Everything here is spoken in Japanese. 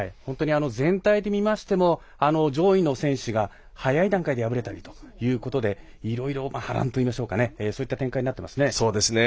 全体で見ましても上位の選手が早い段階で敗れたりといろいろ波乱といいましょうかねそういう展開になっていますね。